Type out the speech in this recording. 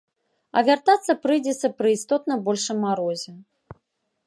А вяртацца прыйдзецца пры істотна большым марозе.